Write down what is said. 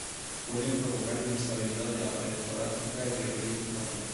Pueden provocar inestabilidad de la pared torácica y requerir fijación.